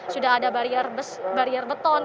sudah ada barier beton